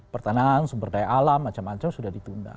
pertanahan sumber daya alam macam macam sudah ditunda